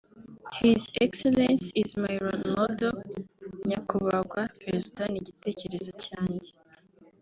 His Excellency is my role model (Nyakubagwa Perezida ni icyitegererezo cyanjye)